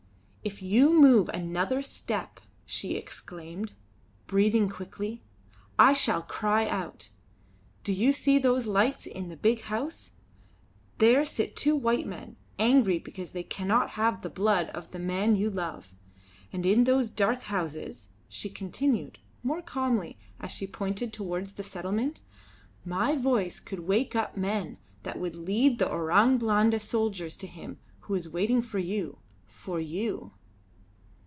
"If you move another step," she exclaimed, breathing quickly, "I shall cry out. Do you see those lights in the big house? There sit two white men, angry because they cannot have the blood of the man you love. And in those dark houses," she continued, more calmly as she pointed towards the settlement, "my voice could wake up men that would lead the Orang Blanda soldiers to him who is waiting for you."